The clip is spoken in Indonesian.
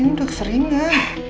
ini udah keseringan